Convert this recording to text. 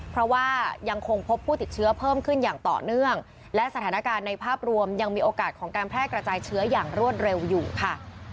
เพราะว่ายังคงพบผู้ติดเชื้อเพิ่มขึ้นอย่างต่อเนื่องและสถานการณ์ในภาพรวมยังมีโอกาสของการแพร่กระจายเชื้ออย่างรวดเร็วอยู่ค่ะ